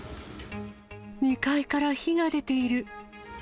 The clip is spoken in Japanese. ２階から火が出ている。